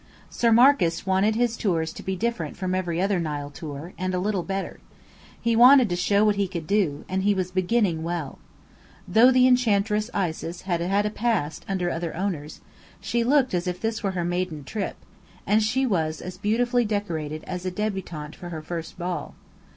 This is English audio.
Sir Marcus wanted "his tours to be different from every other Nile tour, and a little better." He wanted to "show what he could do," and he was beginning well. Though the Enchantress Isis had had a past under other owners, she looked as if this were her maiden trip, and she was as beautifully decorated as a débutante for her first ball.